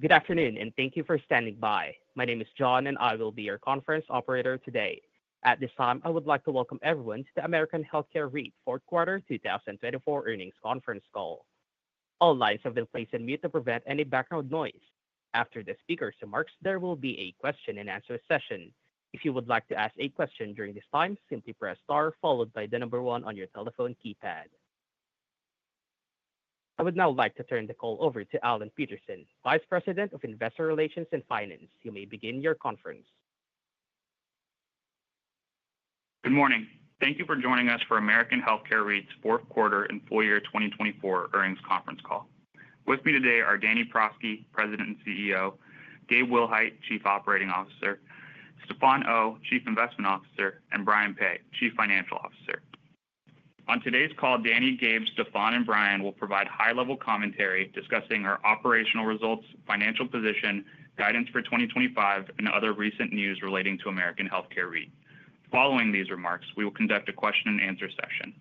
Good afternoon, and thank you for standing by. My name is John, and I will be your conference operator today. At this time, I would like to welcome everyone to the American Healthcare REIT Q4 2024 Earnings Conference Call. All lines have been placed on mute to prevent any background noise. After the speaker's remarks, there will be a question-and-answer session. If you would like to ask a question during this time, simply press star followed by the number one on your telephone keypad. I would now like to turn the call over to Alan Peterson, Vice President of Investor Relations and Finance. You may begin your conference. Good morning. Thank you for joining us for American Healthcare REIT's Q4 and Full Year 2024 earnings conference call. With me today are Danny Prosky, President and CEO, Gabe Willhite, Chief Operating Officer, Stefan Oh, Chief Investment Officer, and Brian Peay, Chief Financial Officer. On today's call, Danny, Gabe, Stefan, and Brian will provide high-level commentary discussing our operational results, financial position, guidance for 2025, and other recent news relating to American Healthcare REIT. Following these remarks, we will conduct a question-and-answer session.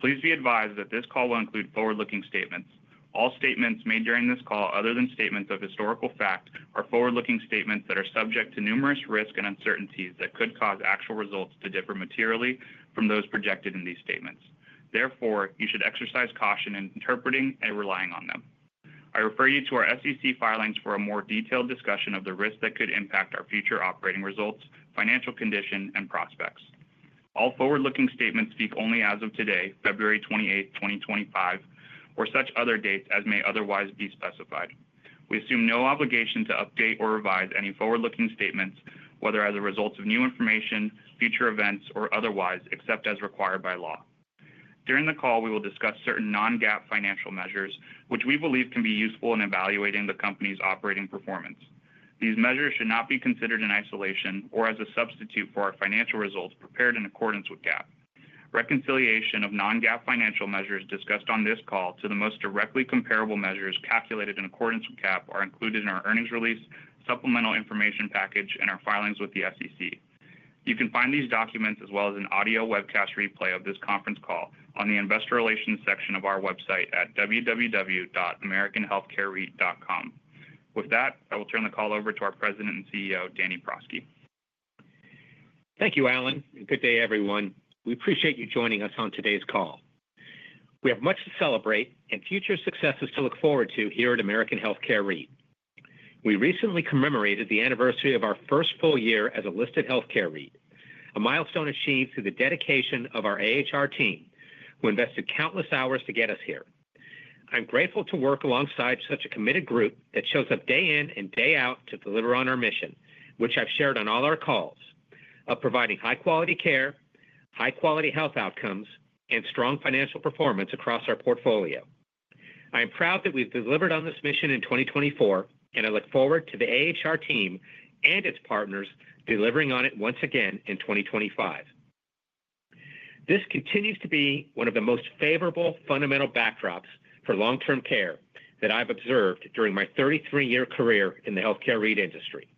Please be advised that this call will include forward-looking statements. All statements made during this call, other than statements of historical fact, are forward-looking statements that are subject to numerous risks and uncertainties that could cause actual results to differ materially from those projected in these statements. Therefore, you should exercise caution in interpreting and relying on them. I refer you to our SEC filings for a more detailed discussion of the risks that could impact our future operating results, financial condition, and prospects. All forward-looking statements speak only as of today, February 28, 2025, or such other dates as may otherwise be specified. We assume no obligation to update or revise any forward-looking statements, whether as a result of new information, future events, or otherwise, except as required by law. During the call, we will discuss certain non-GAAP financial measures, which we believe can be useful in evaluating the company's operating performance. These measures should not be considered in isolation or as a substitute for our financial results prepared in accordance with GAAP. Reconciliation of non-GAAP financial measures discussed on this call to the most directly comparable measures calculated in accordance with GAAP are included in our earnings release, supplemental information package, and our filings with the SEC. You can find these documents as well as an audio webcast replay of this conference call on the Investor Relations section of our website at www.americanhealthcarereit.com. With that, I will turn the call over to our President and CEO, Danny Prosky. Thank you, Alan. Good day, everyone. We appreciate you joining us on today's call. We have much to celebrate and future successes to look forward to here at American Healthcare REIT. We recently commemorated the anniversary of our first full year as a listed healthcare REIT, a milestone achieved through the dedication of our AHR team, who invested countless hours to get us here. I'm grateful to work alongside such a committed group that shows up day in and day out to deliver on our mission, which I've shared on all our calls of providing high-quality care, high-quality health outcomes, and strong financial performance across our portfolio. I am proud that we've delivered on this mission in 2024, and I look forward to the AHR team and its partners delivering on it once again in 2025. This continues to be one of the most favorable fundamental backdrops for long-term care that I've observed during my 33-year career in the healthcare REIT industry.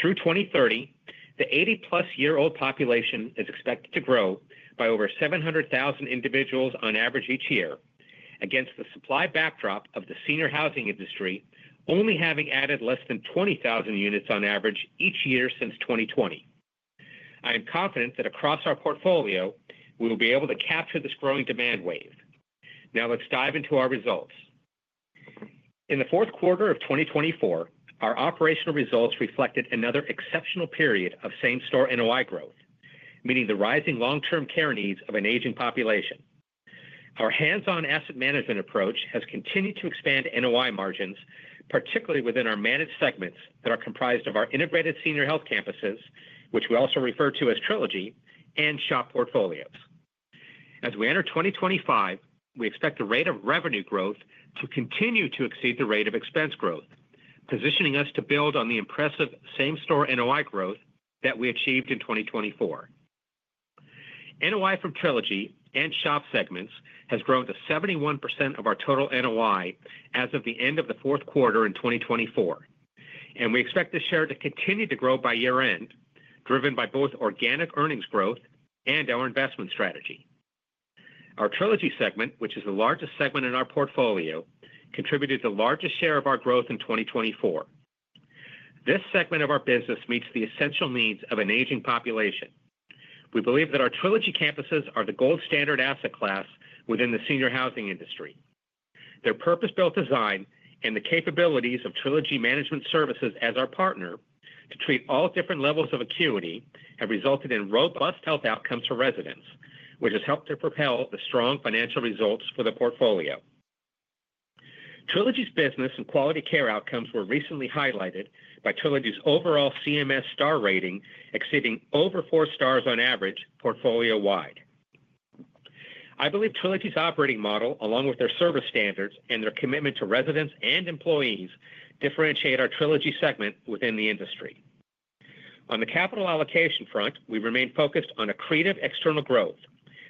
Through 2030, the 80+ year old population is expected to grow by over 700,000 individuals on average each year, against the supply backdrop of the senior housing industry only having added less than 20,000 units on average each year since 2020. I am confident that across our portfolio, we will be able to capture this growing demand wave. Now, let's dive into our results. In the fourth quarter of 2024, our operational results reflected another exceptional period of same-store NOI growth, meeting the rising long-term care needs of an aging population. Our hands-on asset management approach has continued to expand NOI margins, particularly within our managed segments that are comprised of our Integrated Senior Health Campuses, which we also refer to as Trilogy, and SHOP portfolios. As we enter 2025, we expect the rate of revenue growth to continue to exceed the rate of expense growth, positioning us to build on the impressive same-store NOI growth that we achieved in 2024. NOI from Trilogy and SHOP segments has grown to 71% of our total NOI as of the end of the fourth quarter in 2024, and we expect this share to continue to grow by year-end, driven by both organic earnings growth and our investment strategy. Our Trilogy segment, which is the largest segment in our portfolio, contributed the largest share of our growth in 2024. This segment of our business meets the essential needs of an aging population. We believe that our Trilogy campuses are the gold standard asset class within the senior housing industry. Their purpose-built design and the capabilities of Trilogy Management Services as our partner to treat all different levels of acuity have resulted in robust health outcomes for residents, which has helped to propel the strong financial results for the portfolio. Trilogy's business and quality care outcomes were recently highlighted by Trilogy's overall CMS star rating, exceeding over four stars on average portfolio-wide. I believe Trilogy's operating model, along with their service standards and their commitment to residents and employees, differentiate our Trilogy segment within the industry. On the capital allocation front, we remain focused on accretive external growth,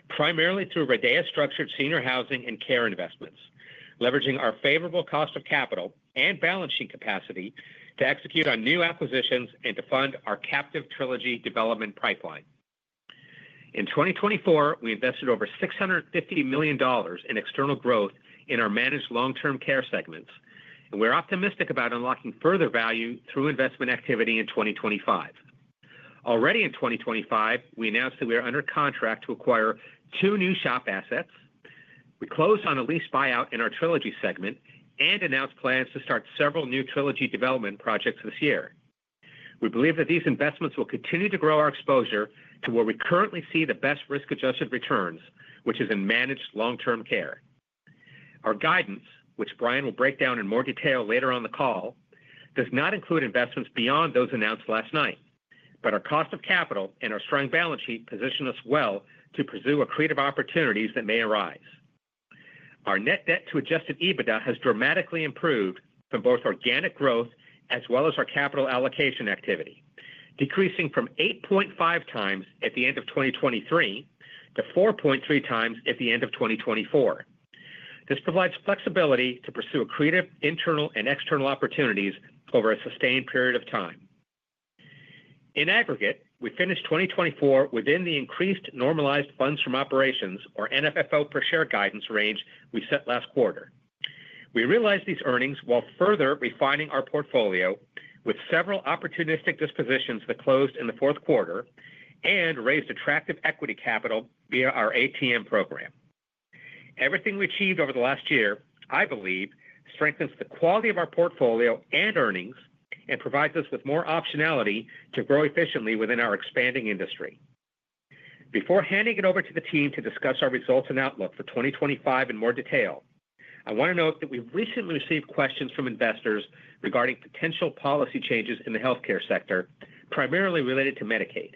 primarily through RIDEA-structured senior housing and care investments, leveraging our favorable cost of capital and balance sheet capacity to execute on new acquisitions and to fund our captive Trilogy development pipeline. In 2024, we invested over $650 million in external growth in our managed long-term care segments, and we're optimistic about unlocking further value through investment activity in 2025. Already in 2025, we announced that we are under contract to acquire two new SHOP assets. We closed on a lease buyout in our Trilogy segment and announced plans to start several new Trilogy development projects this year. We believe that these investments will continue to grow our exposure to where we currently see the best risk-adjusted returns, which is in managed long-term care. Our guidance, which Brian will break down in more detail later on the call, does not include investments beyond those announced last night, but our cost of capital and our strong balance sheet position us well to pursue accretive opportunities that may arise. Our Net Debt-to-Adjusted EBITDA has dramatically improved from both organic growth as well as our capital allocation activity, decreasing from 8.5 times at the end of 2023 to 4.3 times at the end of 2024. This provides flexibility to pursue accretive internal and external opportunities over a sustained period of time. In aggregate, we finished 2024 within the increased Normalized Funds From Operations, or NFFO per share guidance, range we set last quarter. We realized these earnings while further refining our portfolio with several opportunistic dispositions that closed in the fourth quarter and raised attractive equity capital via our ATM program. Everything we achieved over the last year, I believe, strengthens the quality of our portfolio and earnings and provides us with more optionality to grow efficiently within our expanding industry. Before handing it over to the team to discuss our results and outlook for 2025 in more detail, I want to note that we've recently received questions from investors regarding potential policy changes in the healthcare sector, primarily related to Medicaid.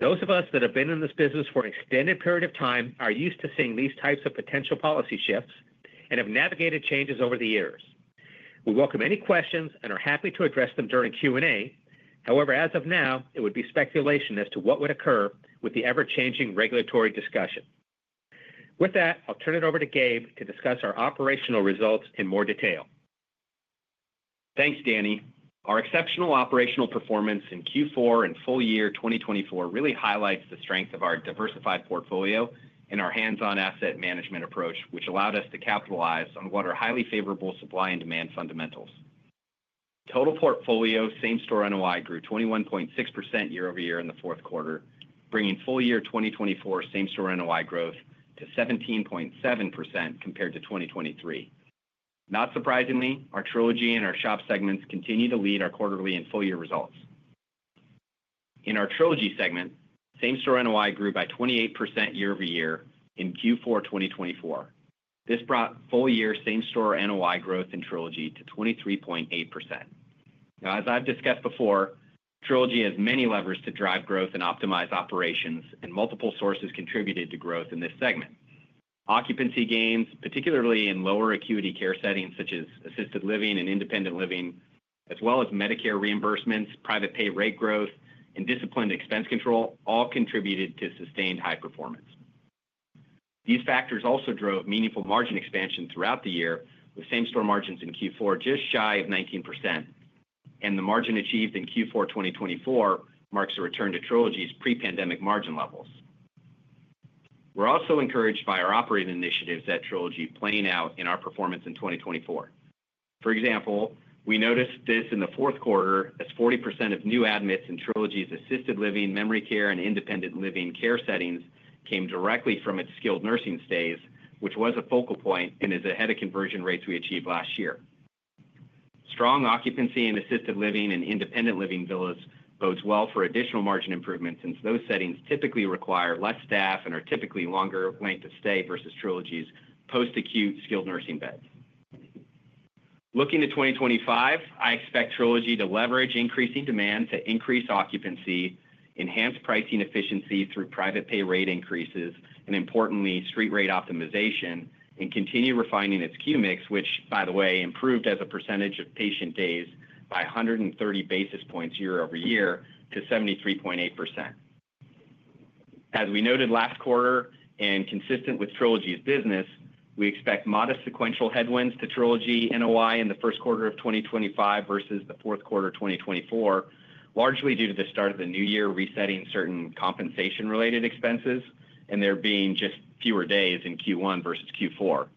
Those of us that have been in this business for an extended period of time are used to seeing these types of potential policy shifts and have navigated changes over the years. We welcome any questions and are happy to address them during Q&A. However, as of now, it would be speculation as to what would occur with the ever-changing regulatory discussion. With that, I'll turn it over to Gabe to discuss our operational results in more detail. Thanks, Danny. Our exceptional operational performance in Q4 and full year 2024 really highlights the strength of our diversified portfolio and our hands-on asset management approach, which allowed us to capitalize on what are highly favorable supply and demand fundamentals. Total portfolio same-store NOI grew 21.6% year-over-year in the fourth quarter, bringing full year 2024 same-store NOI growth to 17.7% compared to 2023. Not surprisingly, our Trilogy and our SHOP segments continue to lead our quarterly and full year results. In our Trilogy segment, same-store NOI grew by 28% year-over-year in Q4 2024. This brought full year same-store NOI growth in Trilogy to 23.8%. Now, as I've discussed before, Trilogy has many levers to drive growth and optimize operations, and multiple sources contributed to growth in this segment. Occupancy gains, particularly in lower acuity care settings such as assisted living and independent living, as well as Medicare reimbursements, private pay rate growth, and disciplined expense control, all contributed to sustained high performance. These factors also drove meaningful margin expansion throughout the year, with same-store margins in Q4 just shy of 19%, and the margin achieved in Q4 2024 marks a return to Trilogy's pre-pandemic margin levels. We're also encouraged by our operating initiatives at Trilogy playing out in our performance in 2024. For example, we noticed this in the fourth quarter as 40% of new admits in Trilogy's assisted living, memory care, and independent living care settings came directly from its skilled nursing stays, which was a focal point and is ahead of conversion rates we achieved last year. Strong occupancy in assisted living and independent living villas bodes well for additional margin improvements since those settings typically require less staff and are typically longer length of stay versus Trilogy's post-acute skilled nursing beds. Looking to 2025, I expect Trilogy to leverage increasing demand to increase occupancy, enhance pricing efficiency through private pay rate increases, and importantly, street rate optimization, and continue refining its Q-Mix, which, by the way, improved as a percentage of patient days by 130 basis points year-over-year to 73.8%. As we noted last quarter, and consistent with Trilogy's business, we expect modest sequential headwinds to Trilogy NOI in the first quarter of 2025 versus the fourth quarter of 2024, largely due to the start of the new year resetting certain compensation-related expenses and there being just fewer days in Q1 versus Q4.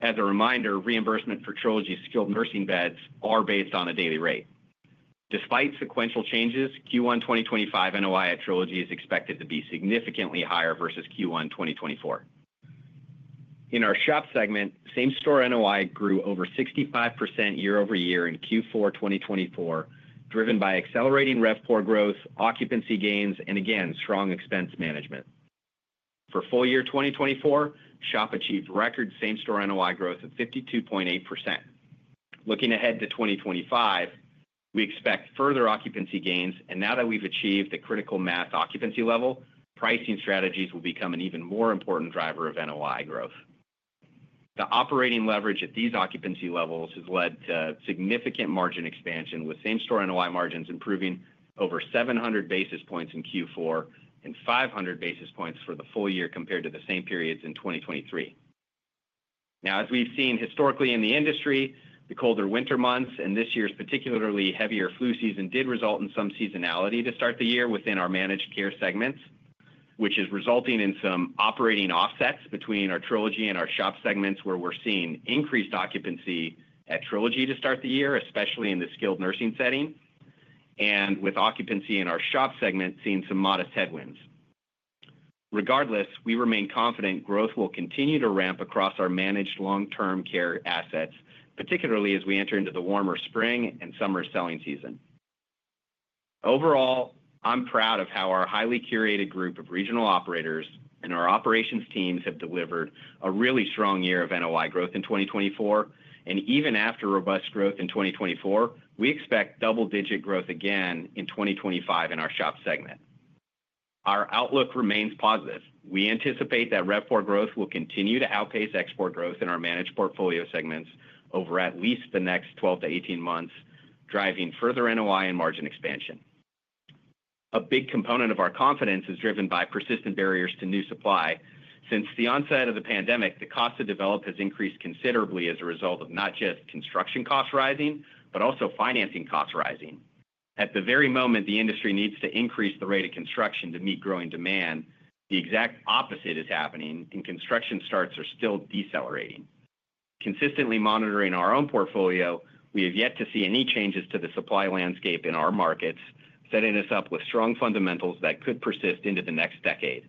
As a reminder, reimbursement for Trilogy's skilled nursing beds is based on a daily rate. Despite sequential changes, Q1 2025 NOI at Trilogy is expected to be significantly higher versus Q1 2024. In our SHOP segment, same-store NOI grew over 65% year-over-year in Q4 2024, driven by accelerating RevPOR growth, occupancy gains, and again, strong expense management. For full year 2024, SHOP achieved record same-store NOI growth of 52.8%. Looking ahead to 2025, we expect further occupancy gains, and now that we've achieved the critical mass occupancy level, pricing strategies will become an even more important driver of NOI growth. The operating leverage at these occupancy levels has led to significant margin expansion, with same-store NOI margins improving over 700 basis points in Q4 and 500 basis points for the full year compared to the same periods in 2023. Now, as we've seen historically in the industry, the colder winter months and this year's particularly heavier flu season did result in some seasonality to start the year within our managed care segments, which is resulting in some operating offsets between our Trilogy and our SHOP segments, where we're seeing increased occupancy at Trilogy to start the year, especially in the skilled nursing setting, and with occupancy in our SHOP segment seeing some modest headwinds. Regardless, we remain confident growth will continue to ramp across our managed long-term care assets, particularly as we enter into the warmer spring and summer selling season. Overall, I'm proud of how our highly curated group of regional operators and our operations teams have delivered a really strong year of NOI growth in 2024, and even after robust growth in 2024, we expect double-digit growth again in 2025 in our SHOP segment. Our outlook remains positive. We anticipate that RevPOR growth will continue to outpace ExpPOR growth in our managed portfolio segments over at least the next 12 to 18 months, driving further NOI and margin expansion. A big component of our confidence is driven by persistent barriers to new supply. Since the onset of the pandemic, the cost to develop has increased considerably as a result of not just construction costs rising, but also financing costs rising. At the very moment the industry needs to increase the rate of construction to meet growing demand, the exact opposite is happening, and construction starts are still decelerating. Consistently monitoring our own portfolio, we have yet to see any changes to the supply landscape in our markets, setting us up with strong fundamentals that could persist into the next decade.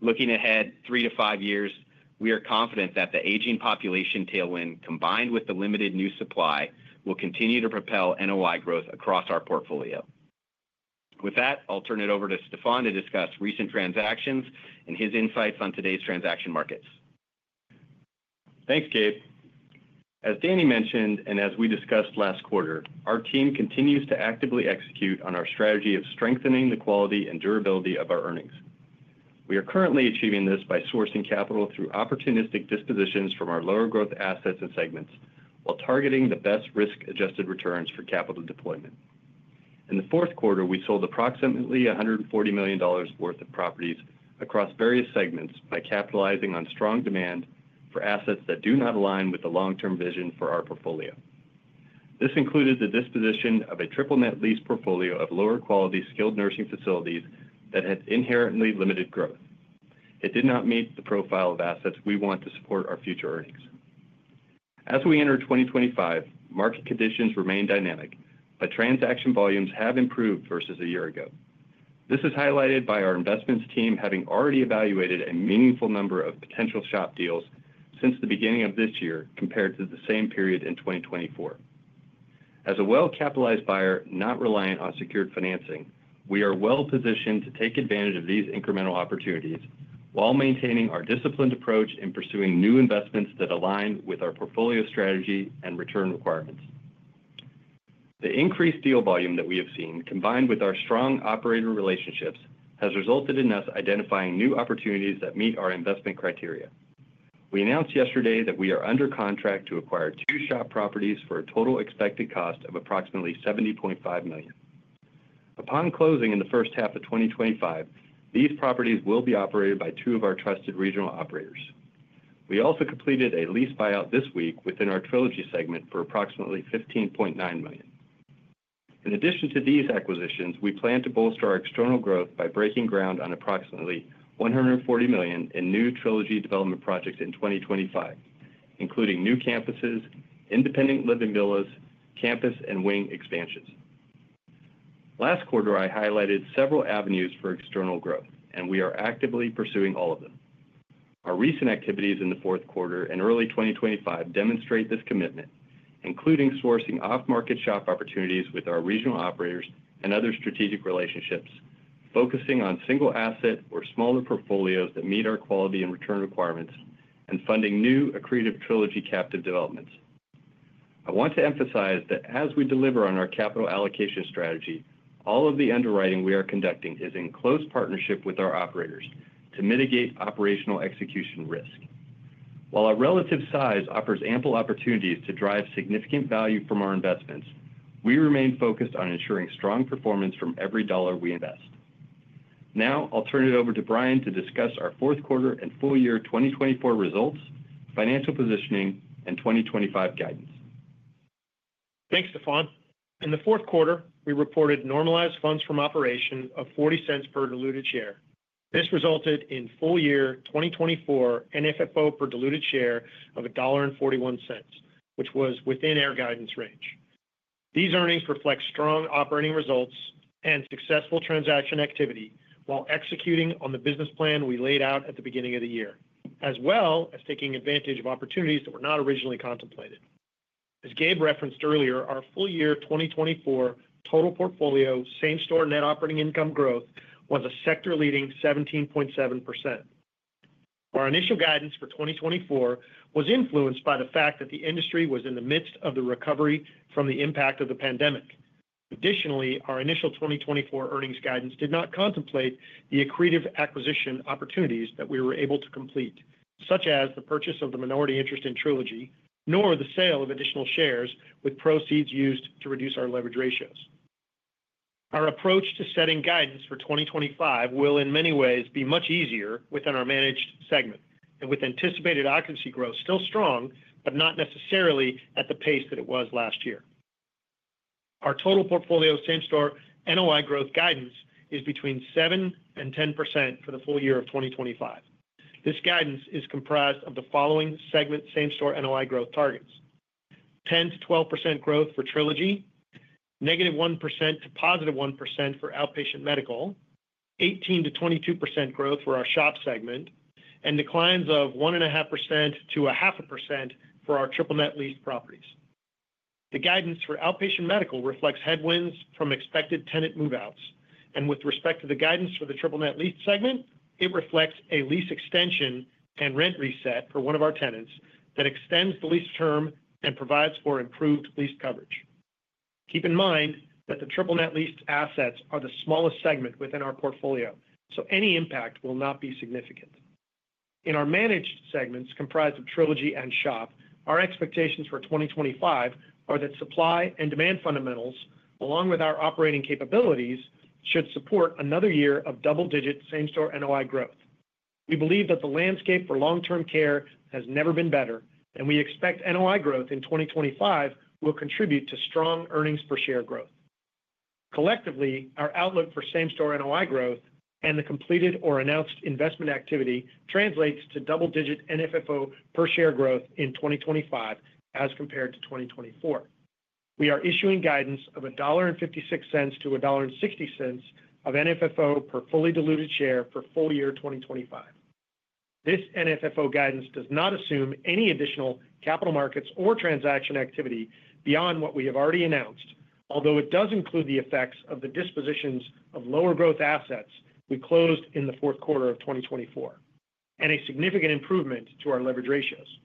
Looking ahead three to five years, we are confident that the aging population tailwind, combined with the limited new supply, will continue to propel NOI growth across our portfolio. With that, I'll turn it over to Stefan to discuss recent transactions and his insights on today's transaction markets. Thanks, Gabe. As Danny mentioned and as we discussed last quarter, our team continues to actively execute on our strategy of strengthening the quality and durability of our earnings. We are currently achieving this by sourcing capital through opportunistic dispositions from our lower-growth assets and segments while targeting the best risk-adjusted returns for capital deployment. In the fourth quarter, we sold approximately $140 million worth of properties across various segments by capitalizing on strong demand for assets that do not align with the long-term vision for our portfolio. This included the disposition of a Triple-Net Lease portfolio of lower-quality skilled nursing facilities that had inherently limited growth. It did not meet the profile of assets we want to support our future earnings. As we enter 2025, market conditions remain dynamic, but transaction volumes have improved versus a year ago. This is highlighted by our investments team having already evaluated a meaningful number of potential SHOP deals since the beginning of this year compared to the same period in 2024. As a well-capitalized buyer not reliant on secured financing, we are well-positioned to take advantage of these incremental opportunities while maintaining our disciplined approach in pursuing new investments that align with our portfolio strategy and return requirements. The increased deal volume that we have seen, combined with our strong operator relationships, has resulted in us identifying new opportunities that meet our investment criteria. We announced yesterday that we are under contract to acquire two SHOP properties for a total expected cost of approximately $70.5 million. Upon closing in the first half of 2025, these properties will be operated by two of our trusted regional operators. We also completed a lease buyout this week within our Trilogy segment for approximately $15.9 million. In addition to these acquisitions, we plan to bolster our external growth by breaking ground on approximately $140 million in new Trilogy development projects in 2025, including new campuses, independent living villas, campus and wing expansions. Last quarter, I highlighted several avenues for external growth, and we are actively pursuing all of them. Our recent activities in the fourth quarter and early 2025 demonstrate this commitment, including sourcing off-market SHOP opportunities with our regional operators and other strategic relationships, focusing on single asset or smaller portfolios that meet our quality and return requirements, and funding new accretive Trilogy captive developments. I want to emphasize that as we deliver on our capital allocation strategy, all of the underwriting we are conducting is in close partnership with our operators to mitigate operational execution risk. While our relative size offers ample opportunities to drive significant value from our investments, we remain focused on ensuring strong performance from every dollar we invest. Now, I'll turn it over to Brian to discuss our Q4 and full year 2024 results, financial positioning, and 2025 guidance. Thanks, Stefan. In the fourth quarter, we reported normalized funds from operations of $0.40 per diluted share. This resulted in full year 2024 NFFO per diluted share of $1.41, which was within our guidance range. These earnings reflect strong operating results and successful transaction activity while executing on the business plan we laid out at the beginning of the year, as well as taking advantage of opportunities that were not originally contemplated. As Gabe referenced earlier, our full year 2024 total portfolio same-store net operating income growth was a sector-leading 17.7%. Our initial guidance for 2024 was influenced by the fact that the industry was in the midst of the recovery from the impact of the pandemic. Additionally, our initial 2024 earnings guidance did not contemplate the accretive acquisition opportunities that we were able to complete, such as the purchase of the minority interest in Trilogy, nor the sale of additional shares with proceeds used to reduce our leverage ratios. Our approach to setting guidance for 2025 will, in many ways, be much easier within our managed segment and with anticipated occupancy growth still strong, but not necessarily at the pace that it was last year. Our total portfolio same-store NOI growth guidance is between 7% and 10% for the full year of 2025. This guidance is comprised of the following segment same-store NOI growth targets: 10% to 12% growth for Trilogy, -1% to +1% for Outpatient Medical, 18% to 22% growth for our SHOP segment, and declines of 1.5% to 0.5% for our Triple-Net Lease properties. The guidance for Outpatient Medical reflects headwinds from expected tenant move-outs, and with respect to the guidance for the Triple-Net Lease segment, it reflects a lease extension and rent reset for one of our tenants that extends the lease term and provides for improved lease coverage. Keep in mind that the Triple-Net Lease assets are the smallest segment within our portfolio, so any impact will not be significant. In our managed segments comprised of Trilogy and SHOP, our expectations for 2025 are that supply and demand fundamentals, along with our operating capabilities, should support another year of double-digit same-store NOI growth. We believe that the landscape for long-term care has never been better, and we expect NOI growth in 2025 will contribute to strong earnings per share growth. Collectively, our outlook for same-store NOI growth and the completed or announced investment activity translates to double-digit NFFO per share growth in 2025 as compared to 2024. We are issuing guidance of $1.56-$1.60 of NFFO per fully diluted share for full year 2025. This NFFO guidance does not assume any additional capital markets or transaction activity beyond what we have already announced, although it does include the effects of the dispositions of lower-growth assets we closed in the fourth quarter of 2024 and a significant improvement to our leverage ratios.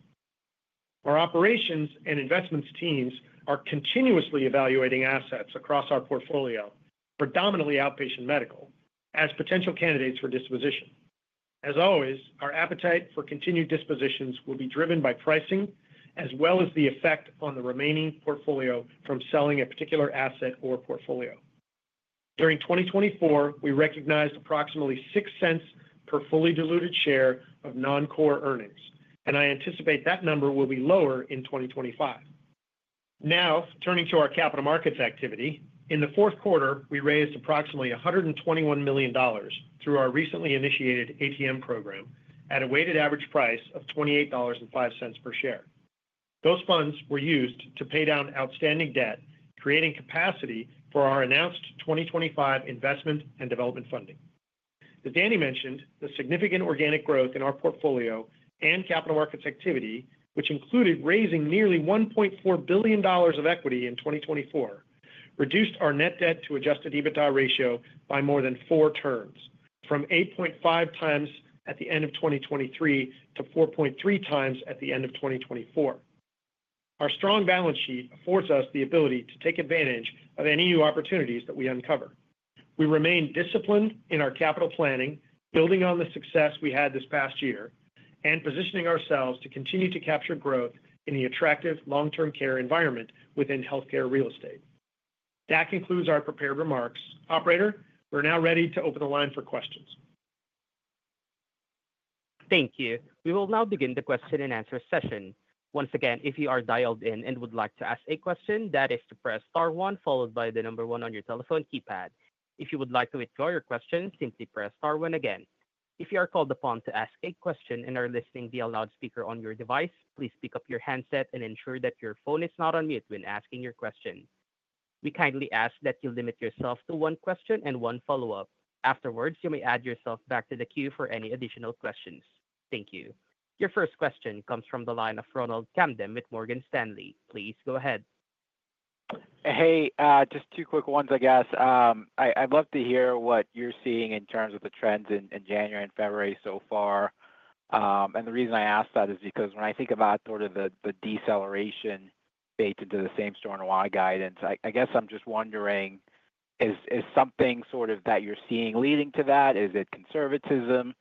Our operations and investments teams are continuously evaluating assets across our portfolio, predominantly Outpatient Medical, as potential candidates for disposition. As always, our appetite for continued dispositions will be driven by pricing as well as the effect on the remaining portfolio from selling a particular asset or portfolio. During 2024, we recognized approximately $0.06 per fully diluted share of non-core earnings, and I anticipate that number will be lower in 2025. Now, turning to our capital markets activity, in the fourth quarter, we raised approximately $121 million through our recently initiated ATM program at a weighted average price of $28.05 per share. Those funds were used to pay down outstanding debt, creating capacity for our announced 2025 investment and development funding. As Danny mentioned, the significant organic growth in our portfolio and capital markets activity, which included raising nearly $1.4 billion of equity in 2024, reduced our net debt-to-Adjusted EBITDA ratio by more than four turns, from 8.5 times at the end of 2023 to 4.3 times at the end of 2024. Our strong balance sheet affords us the ability to take advantage of any new opportunities that we uncover. We remain disciplined in our capital planning, building on the success we had this past year, and positioning ourselves to continue to capture growth in the attractive long-term care environment within healthcare real estate. That concludes our prepared remarks. Operator, we're now ready to open the line for questions. Thank you. We will now begin the question-and-answer session. Once again, if you are dialed in and would like to ask a question, that is to press star 1 followed by the number 1 on your telephone keypad. If you would like to withdraw your question, simply press star 1 again. If you are called upon to ask a question and are listening via loudspeaker on your device, please pick up your handset and ensure that your phone is not on mute when asking your question. We kindly ask that you limit yourself to one question and one follow-up. Afterwards, you may add yourself back to the queue for any additional questions. Thank you. Your first question comes from the line of Ronald Kamdem with Morgan Stanley. Please go ahead. Hey, just two quick ones, I guess. I'd love to hear what you're seeing in terms of the trends in January and February so far and the reason I ask that is because when I think about sort of the deceleration baked into the same-store NOI guidance, I guess I'm just wondering, is something sort of that you're seeing leading to that? Is it conservatism?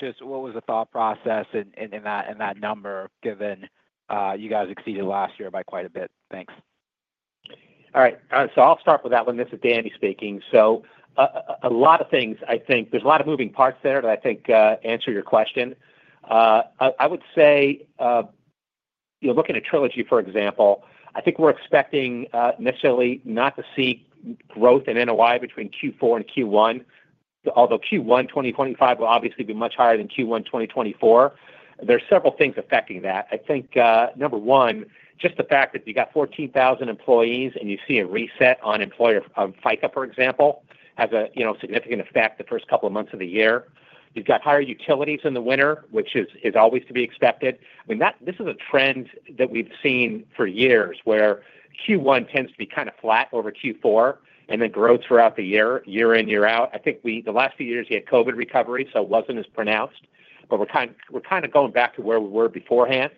Just what was the thought process in that number given you guys exceeded last year by quite a bit? Thanks. All right, so I'll start with that one. This is Danny speaking, so a lot of things, I think there's a lot of moving parts there that I think answer your question. I would say, looking at Trilogy, for example, I think we're expecting necessarily not to see growth in NOI between Q4 and Q1, although Q1 2025 will obviously be much higher than Q1 2024. There are several things affecting that. I think, number one, just the fact that you've got 14,000 employees and you see a reset on employer FICA, for example, has a significant effect the first couple of months of the year. You've got higher utilities in the winter, which is always to be expected. I mean, this is a trend that we've seen for years where Q1 tends to be kind of flat over Q4 and then grows throughout the year, year in, year out. I think the last few years you had COVID recovery, so it wasn't as pronounced, but we're kind of going back to where we were beforehand.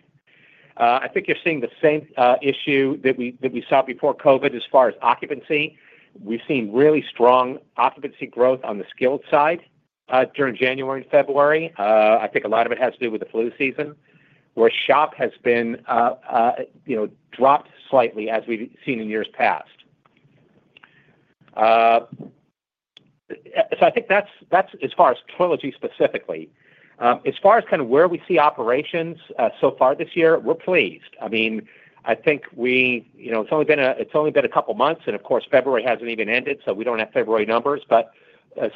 I think you're seeing the same issue that we saw before COVID as far as occupancy. We've seen really strong occupancy growth on the skilled side during January and February. I think a lot of it has to do with the flu season, where SHOP has been dropped slightly as we've seen in years past. So I think that's as far as Trilogy specifically. As far as kind of where we see operations so far this year, we're pleased. I mean, I think it's only been a couple of months, and of course, February hasn't even ended, so we don't have February numbers, but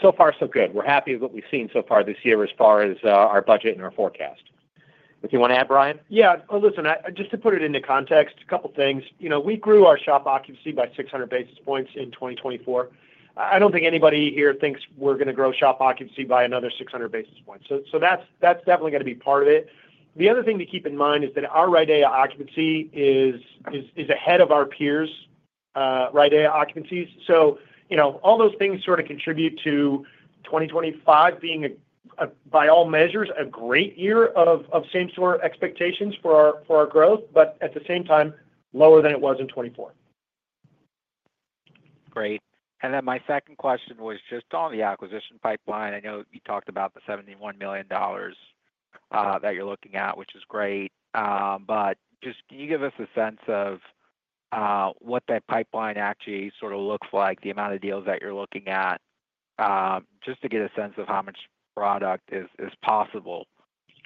so far, so good. We're happy with what we've seen so far this year as far as our budget and our forecast. What do you want to add, Brian? Yeah. Listen, just to put it into context, a couple of things. We grew our SHOP occupancy by 600 basis points in 2024. I don't think anybody here thinks we're going to grow SHOP occupancy by another 600 basis points. So that's definitely going to be part of it. The other thing to keep in mind is that our REIT RIDEA occupancy is ahead of our peers' REIT RIDEA occupancies. So all those things sort of contribute to 2025 being, by all measures, a great year of same-store expectations for our growth, but at the same time, lower than it was in 2024. Great. And then my second question was just on the acquisition pipeline. I know you talked about the $71 million that you're looking at, which is great. But just can you give us a sense of what that pipeline actually sort of looks like, the amount of deals that you're looking at, just to get a sense of how much product is possible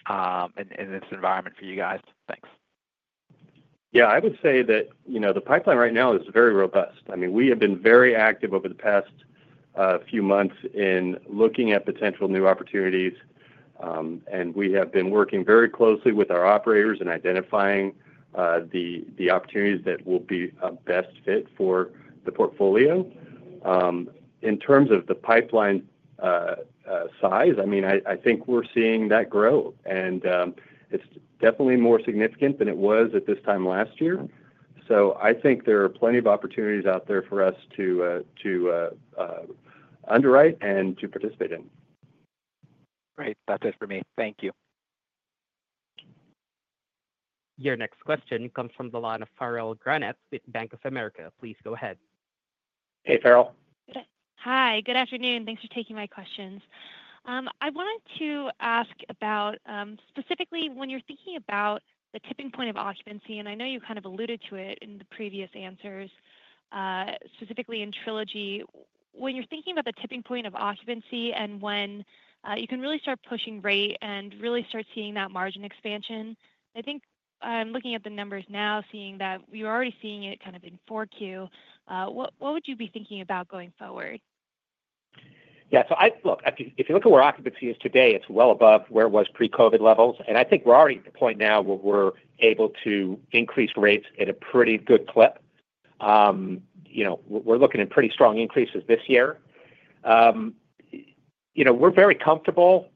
in this environment for you guys? Thanks. Yeah. I would say that the pipeline right now is very robust. I mean, we have been very active over the past few months in looking at potential new opportunities, and we have been working very closely with our operators and identifying the opportunities that will be a best fit for the portfolio. In terms of the pipeline size, I mean, I think we're seeing that grow, and it's definitely more significant than it was at this time last year. So I think there are plenty of opportunities out there for us to underwrite and to participate in. Great. That's it for me. Thank you. Your next question comes from Farrell Granath with Bank of America. Please go ahead. Hey, Farrell. Hi. Good afternoon. Thanks for taking my questions. I wanted to ask about specifically when you're thinking about the tipping point of occupancy, and I know you kind of alluded to it in the previous answers, specifically in Trilogy. When you're thinking about the tipping point of occupancy and when you can really start pushing rate and really start seeing that margin expansion, I think I'm looking at the numbers now, seeing that you're already seeing it kind of in Q4. What would you be thinking about going forward? Yeah. So look, if you look at where occupancy is today, it's well above where it was pre-COVID levels. And I think we're already at the point now where we're able to increase rates at a pretty good clip. We're looking at pretty strong increases this year. We're very comfortable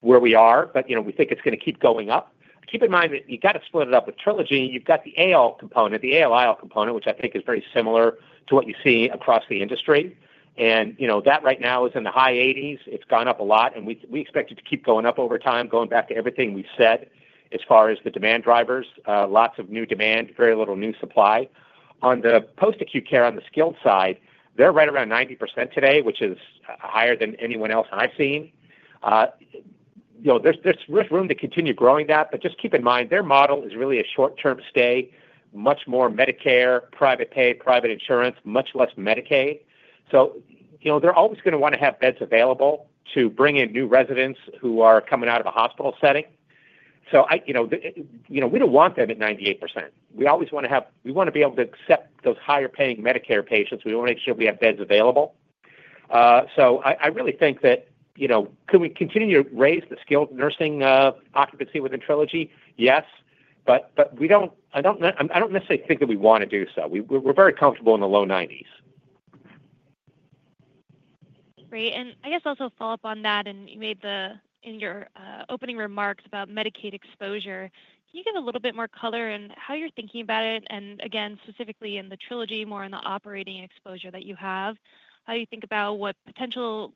where we are, but we think it's going to keep going up. Keep in mind that you've got to split it up with Trilogy. You've got the AL component, the AL/IL component, which I think is very similar to what you see across the industry. And that right now is in the high 80s. It's gone up a lot, and we expect it to keep going up over time, going back to everything we've said as far as the demand drivers. Lots of new demand, very little new supply. On the post-acute care on the skilled side, they're right around 90% today, which is higher than anyone else I've seen. There's room to continue growing that, but just keep in mind their model is really a short-term stay, much more Medicare, private pay, private insurance, much less Medicaid. So they're always going to want to have beds available to bring in new residents who are coming out of a hospital setting. So we don't want them at 98%. We always want to be able to accept those higher-paying Medicare patients. We want to make sure we have beds available. So I really think that can we continue to raise the skilled nursing occupancy within Trilogy? Yes. But I don't necessarily think that we want to do so. We're very comfortable in the low 90s. Great. And I guess also follow up on that, and you made mention in your opening remarks about Medicaid exposure. Can you give a little bit more color on how you're thinking about it? And again, specifically in the Trilogy, more on the operating exposure that you have, how you think about what potential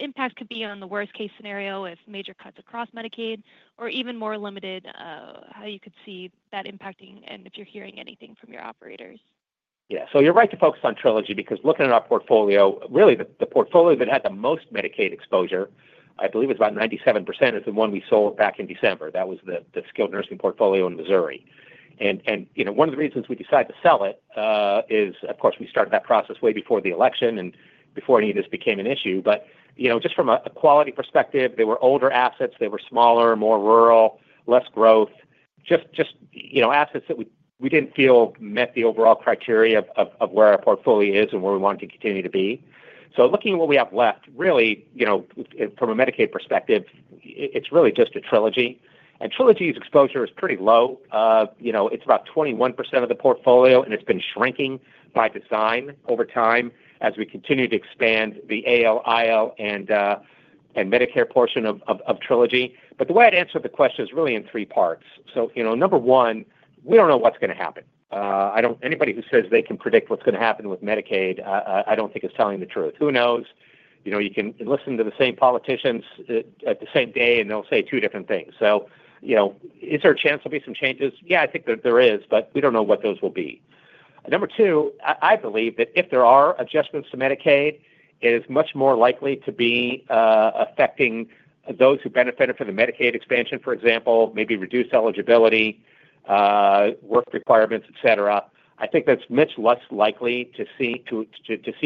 impact could be on the worst-case scenario with major cuts across Medicaid, or even more limited, how you could see that impacting and if you're hearing anything from your operators. Yeah, so you're right to focus on Trilogy because looking at our portfolio, really the portfolio that had the most Medicaid exposure, I believe it's about 97%, is the one we sold back in December. That was the skilled nursing portfolio in Missouri, and one of the reasons we decided to sell it is, of course, we started that process way before the election and before any of this became an issue, but just from a quality perspective, they were older assets. They were smaller, more rural, less growth, just assets that we didn't feel met the overall criteria of where our portfolio is and where we wanted to continue to be, so looking at what we have left, really, from a Medicaid perspective, it's really just a Trilogy. And Trilogy's exposure is pretty low. It's about 21% of the portfolio, and it's been shrinking by design over time as we continue to expand the AL/IL and Medicare portion of Trilogy. But the way I'd answer the question is really in three parts. So number one, we don't know what's going to happen. Anybody who says they can predict what's going to happen with Medicaid, I don't think is telling the truth. Who knows? You can listen to the same politicians at the same day, and they'll say two different things. So is there a chance there'll be some changes? Yeah, I think there is, but we don't know what those will be. Number two, I believe that if there are adjustments to Medicaid, it is much more likely to be affecting those who benefited from the Medicaid expansion, for example, maybe reduced eligibility, work requirements, etc. I think that's much less likely to see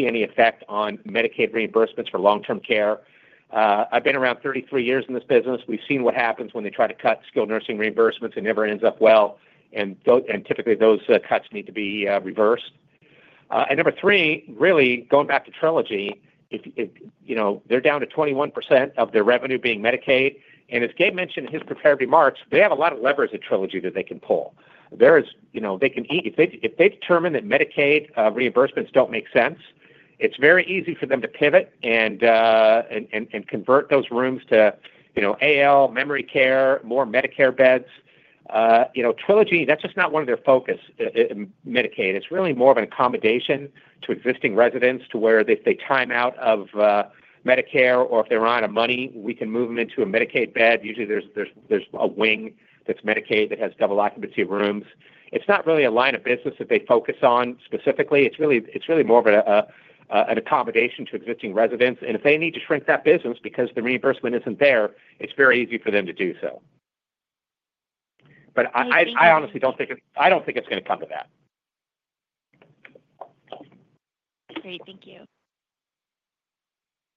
any effect on Medicaid reimbursements for long-term care. I've been around 33 years in this business. We've seen what happens when they try to cut skilled nursing reimbursements and everyone ends up well, and typically those cuts need to be reversed, and number three, really going back to Trilogy, they're down to 21% of their revenue being Medicaid, and as Gabe mentioned in his prepared remarks, they have a lot of levers at Trilogy that they can pull. They can eat. If they determine that Medicaid reimbursements don't make sense, it's very easy for them to pivot and convert those rooms to AL, memory care, more Medicare beds. Trilogy, that's just not one of their focus in Medicaid. It's really more of an accommodation to existing residents to where if they time out of Medicare or if they're out of money, we can move them into a Medicaid bed. Usually, there's a wing that's Medicaid that has double occupancy rooms. It's not really a line of business that they focus on specifically. It's really more of an accommodation to existing residents. And if they need to shrink that business because the reimbursement isn't there, it's very easy for them to do so. But I honestly don't think it's going to come to that. Great. Thank you.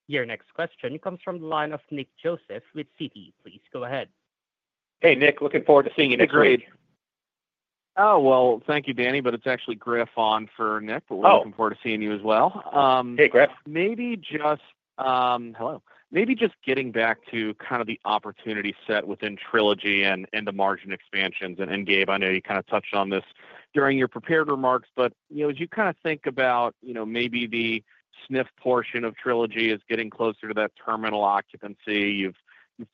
Your next question comes from the line of Nick Joseph with Citi. Please go ahead. Hey, Nick. Looking forward to seeing you next week. Oh, great. Oh, well, thank you, Danny, but it's actually Griff on for Nick, but we're looking forward to seeing you as well. Hey, Griff. Maybe just hello. Maybe just getting back to kind of the opportunity set within Trilogy and the margin expansions. And Gabe, I know you kind of touched on this during your prepared remarks, but as you kind of think about maybe the SNF portion of Trilogy is getting closer to that terminal occupancy, you've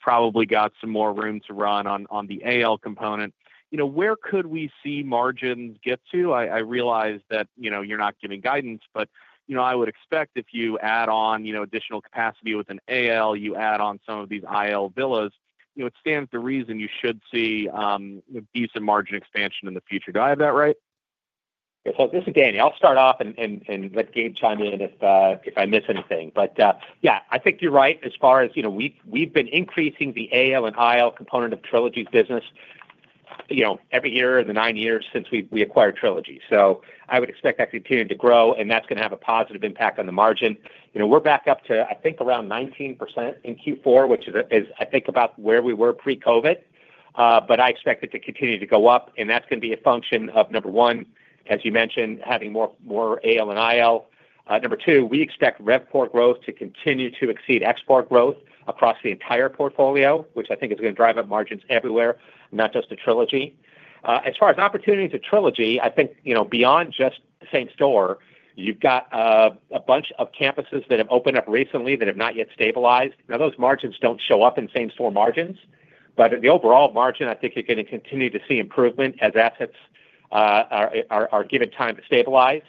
probably got some more room to run on the AL component. Where could we see margins get to? I realize that you're not giving guidance, but I would expect if you add on additional capacity within AL, you add on some of these IL villas, it stands to reason you should see decent margin expansion in the future. Do I have that right? Yeah. So this is Danny. I'll start off and let Gabe chime in if I miss anything. But yeah, I think you're right as far as we've been increasing the AL and IL component of Trilogy's business every year in the nine years since we acquired Trilogy. So I would expect that to continue to grow, and that's going to have a positive impact on the margin. We're back up to, I think, around 19% in Q4, which is, I think, about where we were pre-COVID, but I expect it to continue to go up. And that's going to be a function of, number one, as you mentioned, having more AL and IL. Number two, we expect rev core growth to continue to exceed ExpPOR growth across the entire portfolio, which I think is going to drive up margins everywhere, not just to Trilogy. As far as opportunities at Trilogy, I think beyond just same store, you've got a bunch of campuses that have opened up recently that have not yet stabilized. Now, those margins don't show up in same-store margins, but the overall margin, I think you're going to continue to see improvement as assets are given time to stabilize.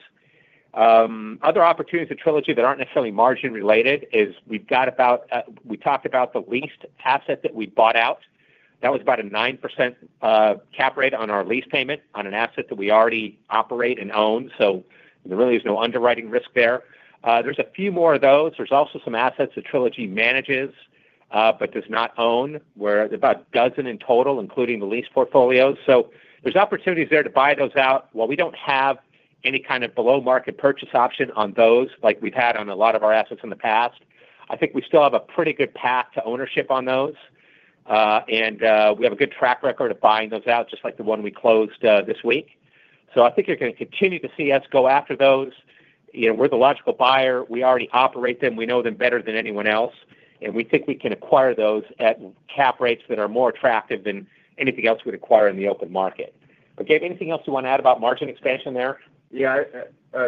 Other opportunities at Trilogy that aren't necessarily margin-related is we've got about we talked about the leased asset that we bought out. That was about a 9% cap rate on our lease payment on an asset that we already operate and own. So there really is no underwriting risk there. There's a few more of those. There's also some assets that Trilogy manages but does not own, where there's about a dozen in total, including the lease portfolios. So there's opportunities there to buy those out. While we don't have any kind of below-market purchase option on those like we've had on a lot of our assets in the past, I think we still have a pretty good path to ownership on those. And we have a good track record of buying those out, just like the one we closed this week. So I think you're going to continue to see us go after those. We're the logical buyer. We already operate them. We know them better than anyone else. And we think we can acquire those at cap rates that are more attractive than anything else we'd acquire in the open market. But Gabe, anything else you want to add about margin expansion there? Yeah.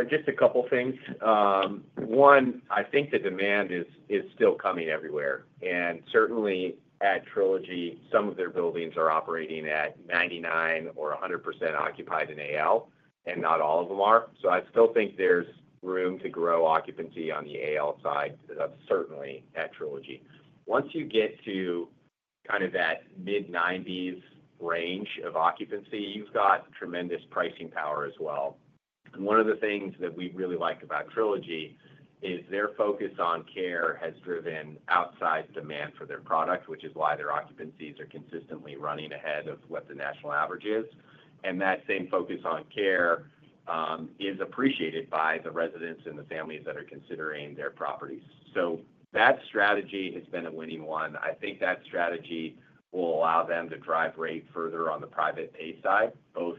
Just a couple of things. One, I think the demand is still coming everywhere. And certainly at Trilogy, some of their buildings are operating at 99% or 100% occupied in AL, and not all of them are. So I still think there's room to grow occupancy on the AL side, certainly at Trilogy. Once you get to kind of that mid-90s range of occupancy, you've got tremendous pricing power as well. And one of the things that we really like about Trilogy is their focus on care has driven outside demand for their product, which is why their occupancies are consistently running ahead of what the national average is. And that same focus on care is appreciated by the residents and the families that are considering their properties. So that strategy has been a winning one. I think that strategy will allow them to drive rate further on the private pay side, both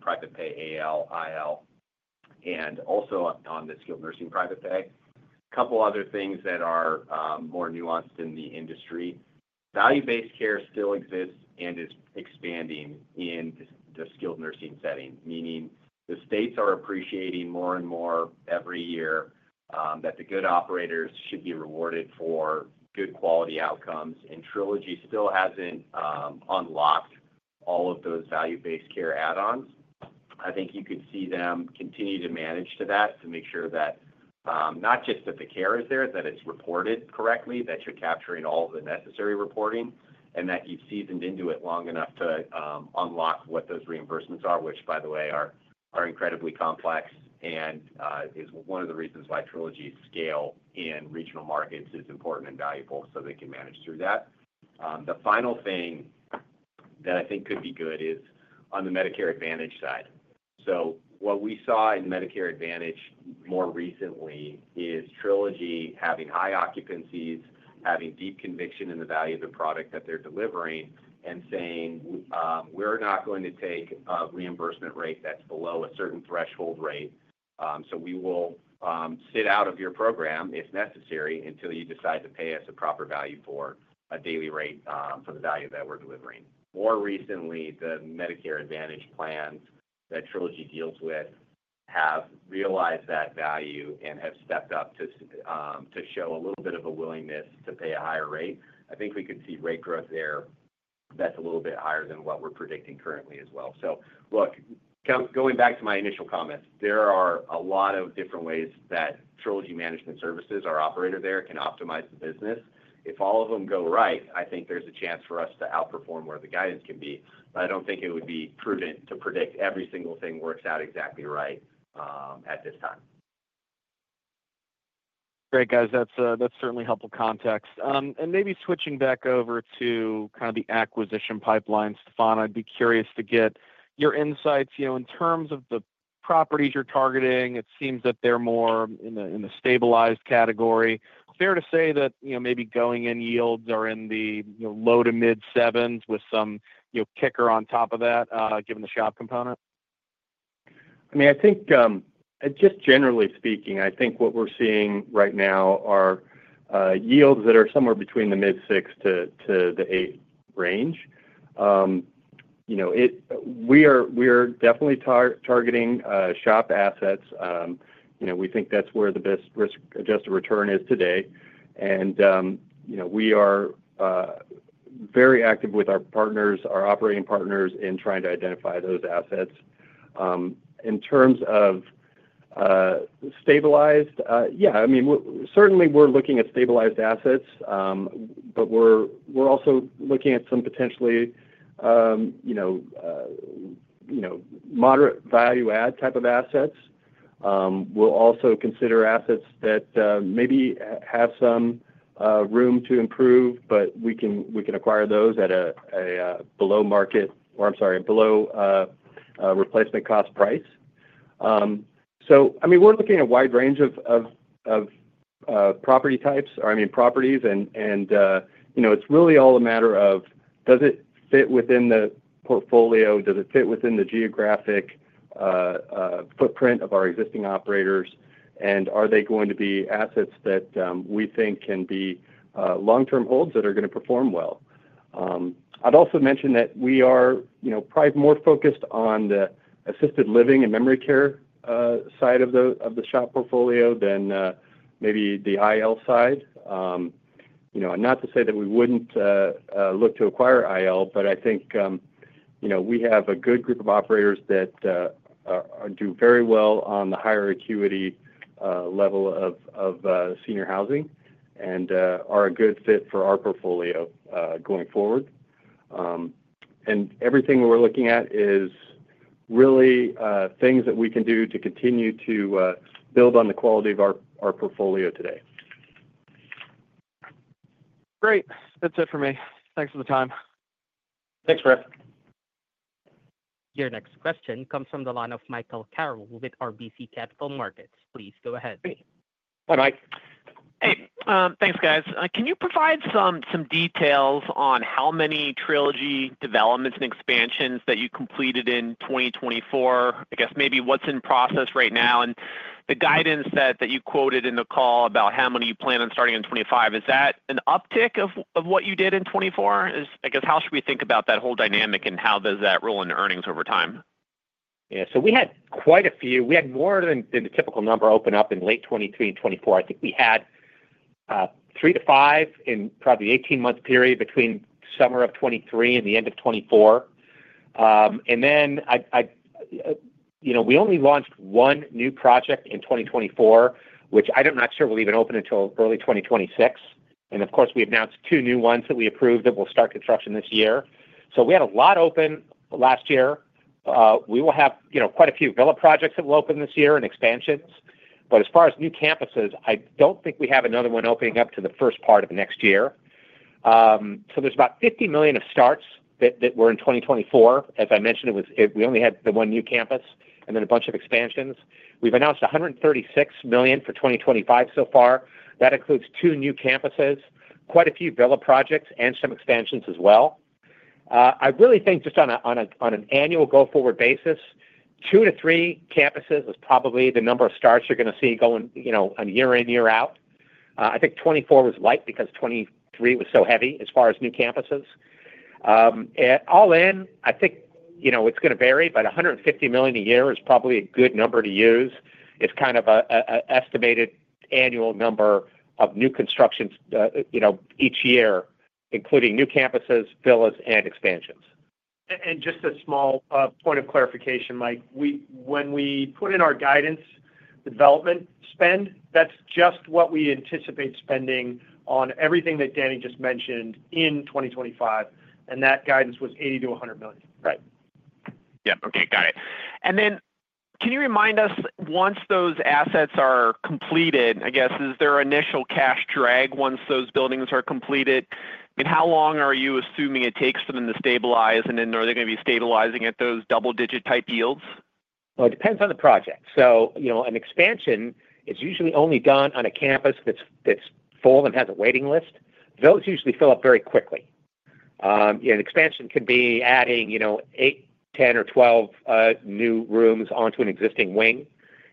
private pay AL, IL, and also on the skilled nursing private pay. A couple of other things that are more nuanced in the industry. Value-based care still exists and is expanding in the skilled nursing setting, meaning the states are appreciating more and more every year that the good operators should be rewarded for good quality outcomes. And Trilogy still hasn't unlocked all of those value-based care add-ons. I think you could see them continue to manage to that to make sure that not just that the care is there, that it's reported correctly, that you're capturing all of the necessary reporting, and that you've seasoned into it long enough to unlock what those reimbursements are, which, by the way, are incredibly complex and is one of the reasons why Trilogy's scale in regional markets is important and valuable so they can manage through that. The final thing that I think could be good is on the Medicare Advantage side. So what we saw in Medicare Advantage more recently is Trilogy having high occupancies, having deep conviction in the value of the product that they're delivering, and saying, "We're not going to take a reimbursement rate that's below a certain threshold rate. So we will sit out of your program if necessary until you decide to pay us a proper value for a daily rate for the value that we're delivering." More recently, the Medicare Advantage plans that Trilogy deals with have realized that value and have stepped up to show a little bit of a willingness to pay a higher rate. I think we could see rate growth there that's a little bit higher than what we're predicting currently as well. So look, going back to my initial comments, there are a lot of different ways that Trilogy Management Services, our operator there, can optimize the business. If all of them go right, I think there's a chance for us to outperform where the guidance can be. But I don't think it would be prudent to predict every single thing works out exactly right at this time. Great, guys. That's certainly helpful context. And maybe switching back over to kind of the acquisition pipeline, Stefan, I'd be curious to get your insights. In terms of the properties you're targeting, it seems that they're more in the stabilized category. Fair to say that maybe going in, yields are in the low to mid-sevens with some kicker on top of that, given the SHOP component? I mean, I think just generally speaking, I think what we're seeing right now are yields that are somewhere between the mid-six to the eight range. We are definitely targeting SHOP assets. We think that's where the best risk-adjusted return is today. And we are very active with our partners, our operating partners, in trying to identify those assets. In terms of stabilized, yeah. I mean, certainly we're looking at stabilized assets, but we're also looking at some potentially moderate value-add type of assets. We'll also consider assets that maybe have some room to improve, but we can acquire those at a below-market or, I'm sorry, a below-replacement cost price. So I mean, we're looking at a wide range of property types or, I mean, properties. And it's really all a matter of, does it fit within the portfolio? Does it fit within the geographic footprint of our existing operators? Are they going to be assets that we think can be long-term holds that are going to perform well? I'd also mention that we are probably more focused on the assisted living and memory care side of the SHOP portfolio than maybe the IL side. Not to say that we wouldn't look to acquire IL, but I think we have a good group of operators that do very well on the higher acuity level of senior housing and are a good fit for our portfolio going forward. Everything we're looking at is really things that we can do to continue to build on the quality of our portfolio today. Great. That's it for me. Thanks for the time. Thanks, Griff. Your next question comes from the line of Michael Carroll with RBC Capital Markets. Please go ahead. Hi, Mike. Hey. Thanks, guys. Can you provide some details on how many Trilogy developments and expansions that you completed in 2024? I guess maybe what's in process right now and the guidance that you quoted in the call about how many you plan on starting in 2025. Is that an uptick of what you did in 2024? I guess how should we think about that whole dynamic and how does that roll into earnings over time? Yeah. So we had quite a few. We had more than the typical number open up in late 2023 and 2024. I think we had three to five in probably the 18-month period between summer of 2023 and the end of 2024. And then we only launched one new project in 2024, which I'm not sure will even open until early 2026. And of course, we announced two new ones that we approved that will start construction this year. So we had a lot open last year. We will have quite a few villa projects that will open this year and expansions. But as far as new campuses, I don't think we have another one opening up to the first part of next year. So there's about $50 million of starts that were in 2024. As I mentioned, we only had the one new campus and then a bunch of expansions. We've announced $136 million for 2025 so far. That includes two new campuses, quite a few villa projects, and some expansions as well. I really think just on an annual go-forward basis, two-to-three campuses is probably the number of starts you're going to see going year in, year out. I think 2024 was light because 2023 was so heavy as far as new campuses. All in, I think it's going to vary, but $150 million a year is probably a good number to use. It's kind of an estimated annual number of new constructions each year, including new campuses, villas, and expansions. Just a small point of clarification, Mike. When we put in our guidance development spend, that's just what we anticipate spending on everything that Danny just mentioned in 2025. That guidance was $80 million to $100 million. Right. Yeah. Okay. Got it. And then can you remind us, once those assets are completed, I guess, is there an initial cash drag once those buildings are completed? I mean, how long are you assuming it takes for them to stabilize? And then are they going to be stabilizing at those double-digit-type yields? It depends on the project. An expansion is usually only done on a campus that's full and has a waiting list. Those usually fill up very quickly. An expansion could be adding eight, 10, or 12 new rooms onto an existing wing.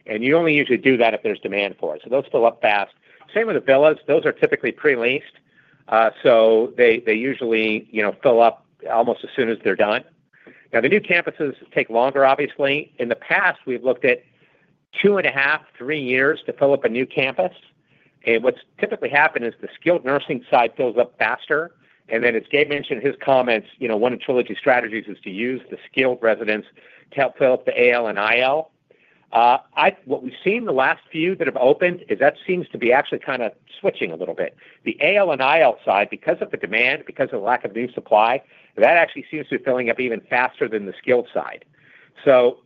You only usually do that if there's demand for it. Those fill up fast. Same with the villas. Those are typically pre-leased. They usually fill up almost as soon as they're done. The new campuses take longer, obviously. In the past, we've looked at two and a half, three years to fill up a new campus. What's typically happened is the skilled nursing side fills up faster. Then as Gabe mentioned in his comments, one of Trilogy's strategies is to use the skilled residents to help fill up the AL and IL. What we've seen the last few that have opened is that seems to be actually kind of switching a little bit. The AL and IL side, because of the demand, because of the lack of new supply, that actually seems to be filling up even faster than the skilled side. So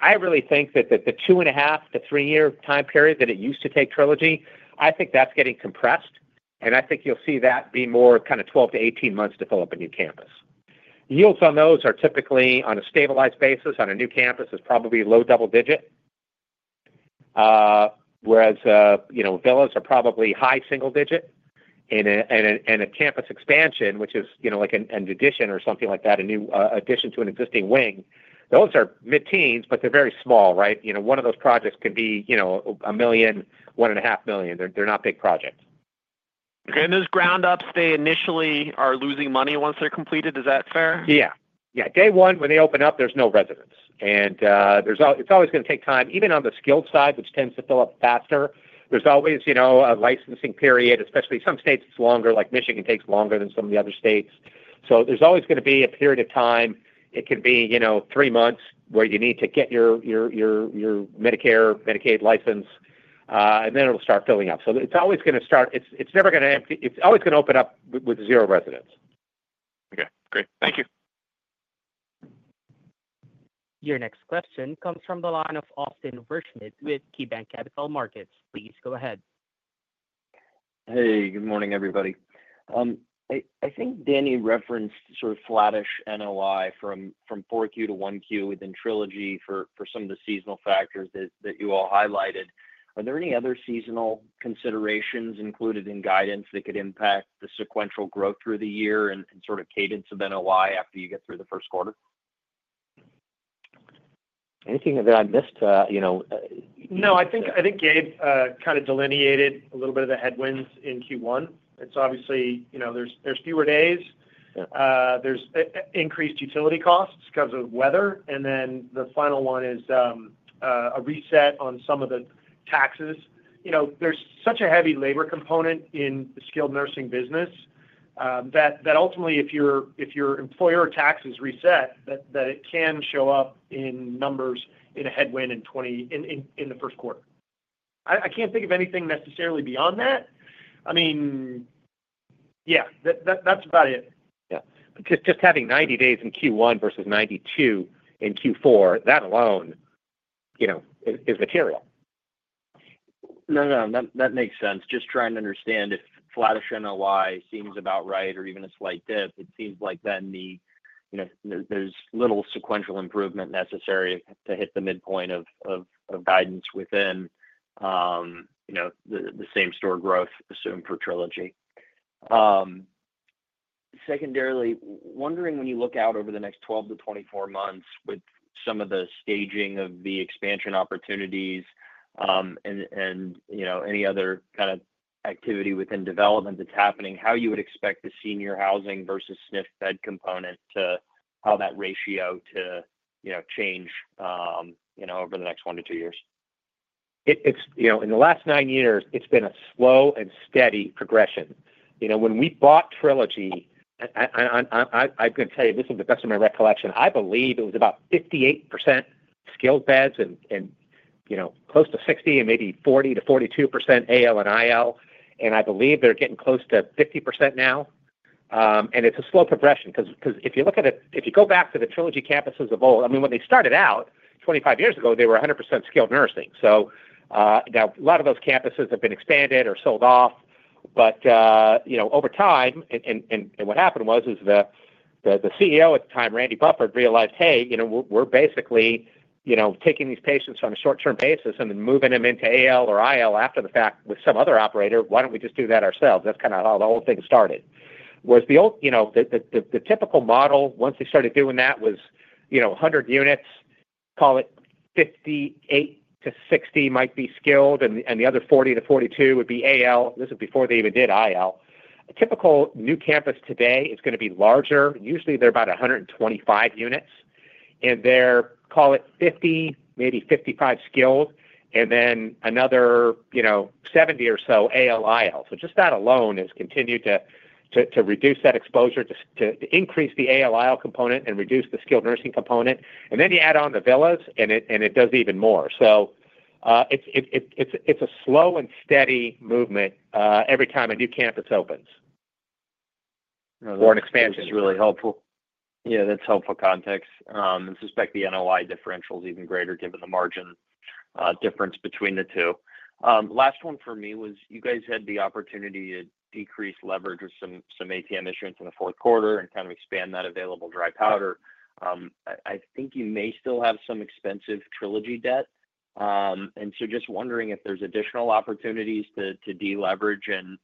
I really think that the two and a half to three-year time period that it used to take Trilogy, I think that's getting compressed. And I think you'll see that be more kind of 12-18 months to fill up a new campus. Yields on those are typically, on a stabilized basis, on a new campus, is probably low double-digit, whereas villas are probably high single-digit. And a campus expansion, which is like an addition or something like that, an addition to an existing wing, those are mid-teens, but they're very small, right? One of those projects could be $1 million to $1.5 million. They're not big projects. Okay. And those ground-ups, they initially are losing money once they're completed. Is that fair? Yeah. Yeah. Day one, when they open up, there's no residents. And it's always going to take time. Even on the skilled side, which tends to fill up faster, there's always a licensing period, especially some states it's longer. Like Michigan takes longer than some of the other states. So there's always going to be a period of time. It can be three months where you need to get your Medicare, Medicaid license, and then it'll start filling up. So it's always going to start. It's never going to empty. It's always going to open up with zero residents. Okay. Great. Thank you. Your next question comes from the line of Austin Wurschmidt with KeyBanc Capital Markets. Please go ahead. Hey. Good morning, everybody. I think Danny referenced sort of flattish NOI from 4Q to 1Q within Trilogy for some of the seasonal factors that you all highlighted. Are there any other seasonal considerations included in guidance that could impact the sequential growth through the year and sort of cadence of NOI after you get through the first quarter? Anything that I missed? No, I think Gabe kind of delineated a little bit of the headwinds in Q1. It's obviously there's fewer days. There's increased utility costs because of weather. And then the final one is a reset on some of the taxes. There's such a heavy labor component in the skilled nursing business that ultimately, if your employer taxes reset, that it can show up in numbers in a headwind in the first quarter. I can't think of anything necessarily beyond that. I mean, yeah, that's about it. Yeah. Just having 90 days in Q1 versus 92 in Q4, that alone is material. No, no. That makes sense. Just trying to understand if flattish NOI seems about right or even a slight dip. It seems like then there's little sequential improvement necessary to hit the midpoint of guidance within the same-store growth assumed for Trilogy. Secondarily, wondering when you look out over the next 12 to 24 months, with some of the staging of the expansion opportunities and any other kind of activity within development that's happening, how you would expect the senior housing versus SNF bed component to how that ratio to change over the next one to two years? In the last nine years, it's been a slow and steady progression. When we bought Trilogy, I'm going to tell you this is the best of my recollection. I believe it was about 58% skilled beds and close to 60% and maybe 40% to 42% AL and IL. I believe they're getting close to 50% now. It's a slow progression because if you look at it, if you go back to the Trilogy campuses of old, I mean, when they started out 25 years ago, they were 100% skilled nursing. Now a lot of those campuses have been expanded or sold off. Over time, and what happened was the CEO at the time, Randy Bufford, realized, "Hey, we're basically taking these patients on a short-term basis and then moving them into AL or IL after the fact with some other operator. Why don't we just do that ourselves?" That's kind of how the whole thing started. Whereas the typical model, once they started doing that, was 100 units, call it 58 to 60, might be skilled, and the other 40 to 42 would be AL. This is before they even did IL. A typical new campus today is going to be larger. Usually, they're about 125 units, and they're, call it 50, maybe 55 skilled, and then another 70 or so AL, IL, so just that alone has continued to reduce that exposure, to increase the AL, IL component, and reduce the skilled nursing component, and then you add on the villas, and it does even more, so it's a slow and steady movement every time a new campus opens or an expansion. That's really helpful. Yeah. That's helpful context. I suspect the NOI differential is even greater given the margin difference between the two. Last one for me was you guys had the opportunity to decrease leverage with some ATM issuance in the fourth quarter and kind of expand that available dry powder. I think you may still have some expensive Trilogy debt. And so just wondering if there's additional opportunities to deleverage and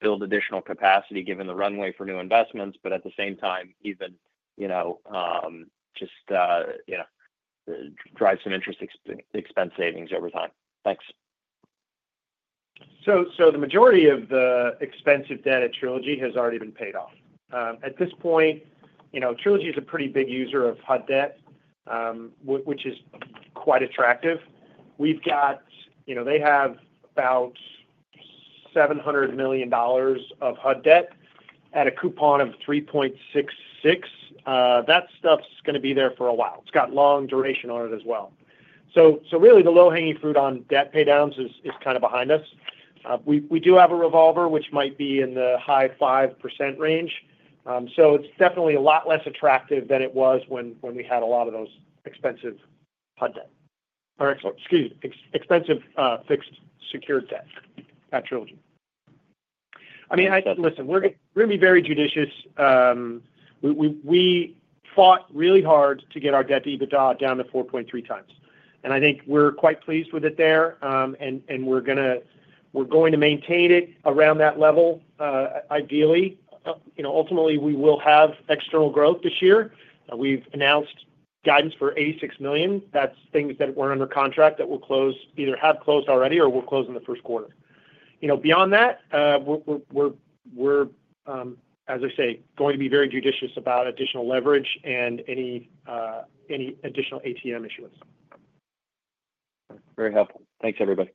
build additional capacity given the runway for new investments, but at the same time, even just drive some interest expense savings over time. Thanks. So the majority of the expensive debt at Trilogy has already been paid off. At this point, Trilogy is a pretty big user of HUD debt, which is quite attractive. They have about $700 million of HUD debt at a coupon of 3.66%. That stuff's going to be there for a while. It's got long duration on it as well. So really, the low-hanging fruit on debt paydowns is kind of behind us. We do have a revolver, which might be in the high 5% range. So it's definitely a lot less attractive than it was when we had a lot of those expensive HUD debt. Excuse me. Expensive fixed secured debt at Trilogy. I mean, listen, we're going to be very judicious. We fought really hard to get our debt EBITDA down to 4.3 times. And I think we're quite pleased with it there. And we're going to maintain it around that level, ideally. Ultimately, we will have external growth this year. We've announced guidance for $86 million. That's things that weren't under contract that we'll close, either have closed already or we'll close in the first quarter. Beyond that, we're, as I say, going to be very judicious about additional leverage and any additional ATM issuance. Very helpful. Thanks, everybody.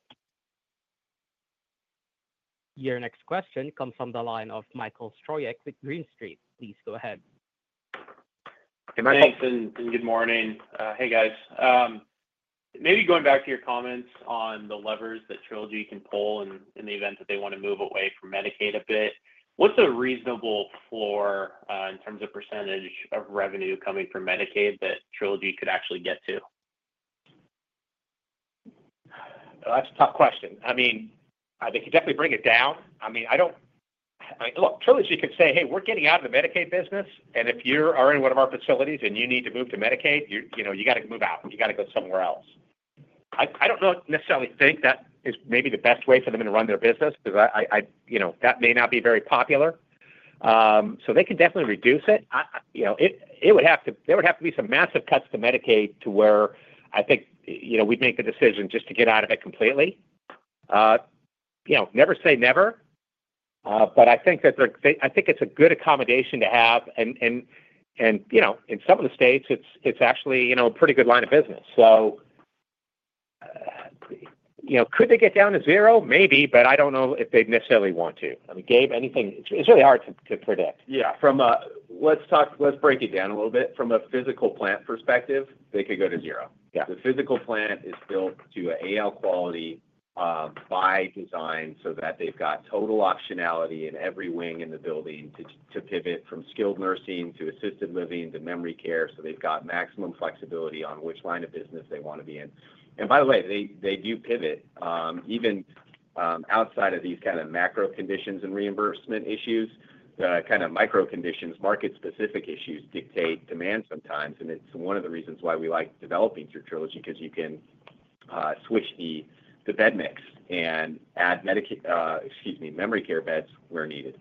Your next question comes from the line of Michael Stroyeck with Green Street. Please go ahead. Hey, Michael. Thanks, and good morning. Hey, guys. Maybe going back to your comments on the levers that Trilogy can pull in the event that they want to move away from Medicaid a bit, what's a reasonable floor in terms of percentage of revenue coming from Medicaid that Trilogy could actually get to? That's a tough question. I mean, they could definitely bring it down. I mean, look, Trilogy could say, "Hey, we're getting out of the Medicaid business. And if you are in one of our facilities and you need to move to Medicaid, you got to move out. You got to go somewhere else." I don't necessarily think that is maybe the best way for them to run their business because that may not be very popular. So they could definitely reduce it. It would have to be some massive cuts to Medicaid to where I think we'd make the decision just to get out of it completely. Never say never. But I think it's a good accommodation to have. And in some of the states, it's actually a pretty good line of business. So could they get down to zero? Maybe, but I don't know if they necessarily want to. I mean, Gabe, anything? It's really hard to predict. Yeah. Let's break it down a little bit. From a physical plant perspective, they could go to zero. The physical plant is built to an AL quality by design so that they've got total optionality in every wing in the building to pivot from skilled nursing to assisted living to memory care. So they've got maximum flexibility on which line of business they want to be in. And by the way, they do pivot. Even outside of these kind of macro conditions and reimbursement issues, the kind of micro conditions, market-specific issues dictate demand sometimes. And it's one of the reasons why we like developing through Trilogy because you can switch the bed mix and add, excuse me, memory care beds where needed.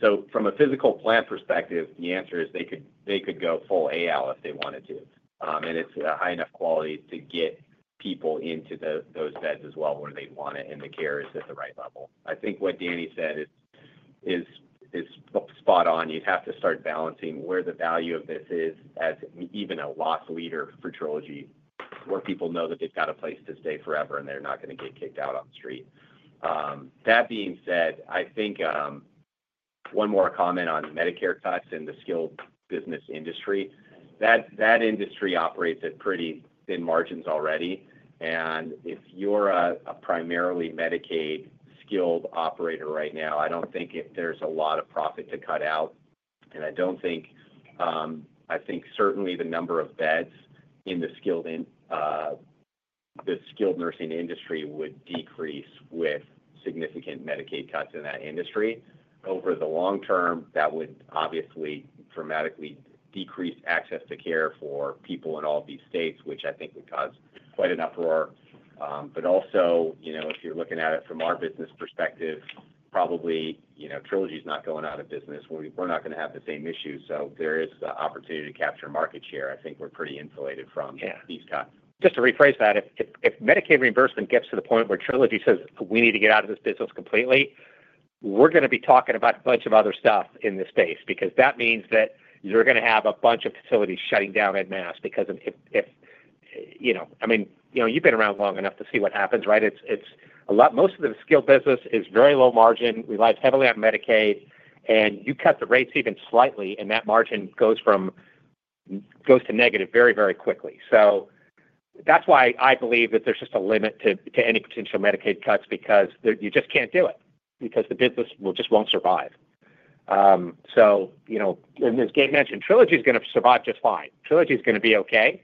So from a physical plant perspective, the answer is they could go full AL if they wanted to. And it's high enough quality to get people into those beds as well where they want it, and the care is at the right level. I think what Danny said is spot on. You'd have to start balancing where the value of this is as even a loss leader for Trilogy, where people know that they've got a place to stay forever and they're not going to get kicked out on the street. That being said, I think one more comment on the Medicare cuts and the skilled business industry. That industry operates at pretty thin margins already. And if you're a primarily Medicaid skilled operator right now, I don't think there's a lot of profit to cut out. And I think certainly the number of beds in the skilled nursing industry would decrease with significant Medicaid cuts in that industry. Over the long term, that would obviously dramatically decrease access to care for people in all these states, which I think would cause quite an uproar. But also, if you're looking at it from our business perspective, probably Trilogy is not going out of business. We're not going to have the same issues. So there is the opportunity to capture market share. I think we're pretty insulated from these cuts. Just to rephrase that, if Medicaid reimbursement gets to the point where Trilogy says, "We need to get out of this business completely," we're going to be talking about a bunch of other stuff in this space because that means that you're going to have a bunch of facilities shutting down en masse because, I mean, you've been around long enough to see what happens, right? Most of the skilled business is very low margin. We live heavily on Medicaid. And you cut the rates even slightly, and that margin goes to negative very, very quickly. So that's why I believe that there's just a limit to any potential Medicaid cuts because you just can't do it because the business just won't survive. So as Gabe mentioned, Trilogy is going to survive just fine. Trilogy is going to be okay.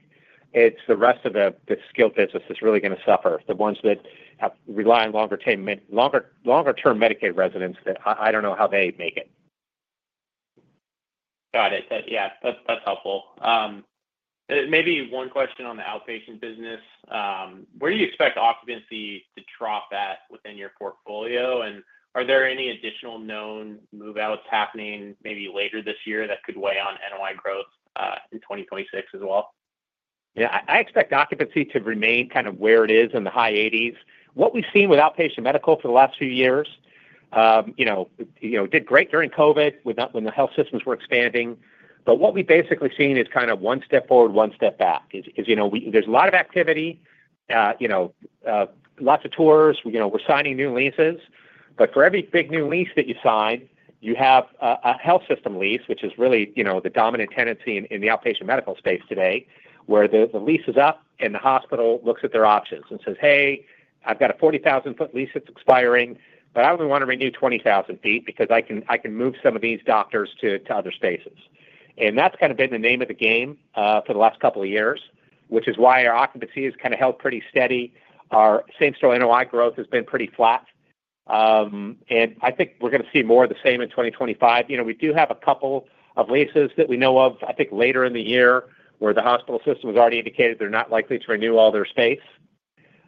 It's the rest of the skilled business that's really going to suffer, the ones that rely on longer-term Medicaid residents that I don't know how they make it. Got it. Yeah. That's helpful. Maybe one question on the outpatient business. Where do you expect occupancy to drop at within your portfolio? And are there any additional known move-outs happening maybe later this year that could weigh on NOI growth in 2026 as well? Yeah. I expect occupancy to remain kind of where it is in the high 80s. What we've seen with Outpatient Medical for the last few years, it did great during COVID when the health systems were expanding. But what we've basically seen is kind of one step forward, one step back. There's a lot of activity, lots of tours. We're signing new leases. But for every big new lease that you sign, you have a health system lease, which is really the dominant tendency in the Outpatient Medical space today, where the lease is up and the hospital looks at their options and says, "Hey, I've got a 40,000 sq ft lease that's expiring, but I only want to renew 20,000 sq ft because I can move some of these doctors to other spaces." And that's kind of been the name of the game for the last couple of years, which is why our occupancy has kind of held pretty steady. Our same-store NOI growth has been pretty flat. And I think we're going to see more of the same in 2025. We do have a couple of leases that we know of, I think, later in the year where the hospital system has already indicated they're not likely to renew all their space.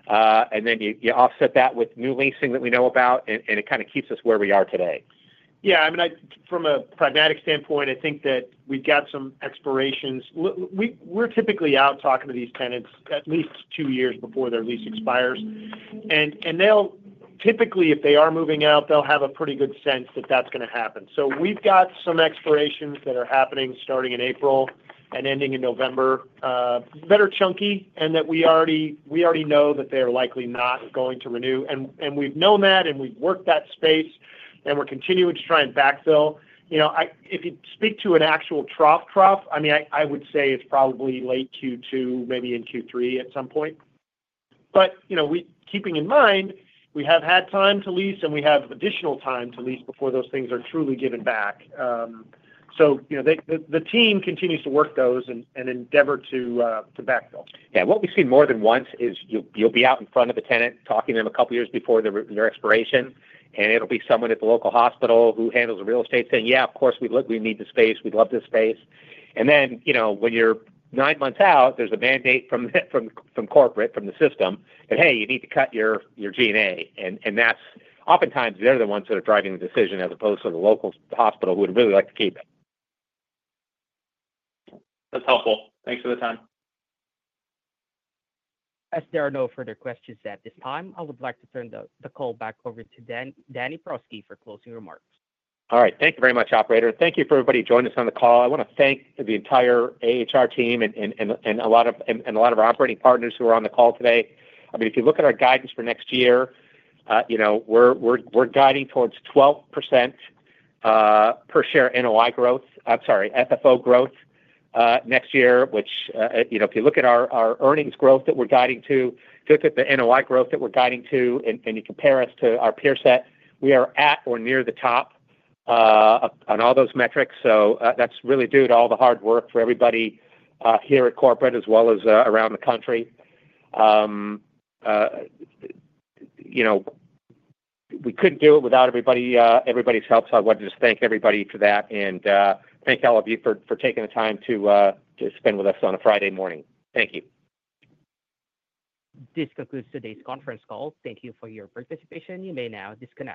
And then you offset that with new leasing that we know about, and it kind of keeps us where we are today. Yeah. I mean, from a pragmatic standpoint, I think that we've got some expirations. We're typically out talking to these tenants at least two years before their lease expires. And typically, if they are moving out, they'll have a pretty good sense that that's going to happen. So we've got some expirations that are happening starting in April and ending in November, that are chunky and that we already know that they are likely not going to renew. And we've known that, and we've worked that space, and we're continuing to try and backfill. If you speak to an actual trough, I mean, I would say it's probably late Q2, maybe in Q3 at some point. But keeping in mind, we have had time to lease, and we have additional time to lease before those things are truly given back. The team continues to work those and endeavor to backfill. Yeah. What we've seen more than once is you'll be out in front of the tenant talking to them a couple of years before their expiration, and it'll be someone at the local hospital who handles the real estate saying, "Yeah, of course, we need the space. We'd love this space." And then when you're nine months out, there's a mandate from corporate, from the system, that, "Hey, you need to cut your G&A." And oftentimes, they're the ones that are driving the decision as opposed to the local hospital who would really like to keep it. That's helpful. Thanks for the time. As there are no further questions at this time, I would like to turn the call back over to Danny Prosky for closing remarks. All right. Thank you very much, operator. Thank you for everybody joining us on the call. I want to thank the entire AHR team and a lot of our operating partners who are on the call today. I mean, if you look at our guidance for next year, we're guiding towards 12% per share NOI growth. I'm sorry, FFO growth next year, which if you look at our earnings growth that we're guiding to, if you look at the NOI growth that we're guiding to, and you compare us to our peer set, we are at or near the top on all those metrics. So that's really due to all the hard work for everybody here at corporate as well as around the country. We couldn't do it without everybody's help. So I want to just thank everybody for that. Thank all of you for taking the time to spend with us on a Friday morning. Thank you. This concludes today's conference call. Thank you for your participation. You may now disconnect.